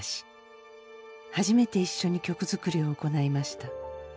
初めて一緒に曲作りを行いました。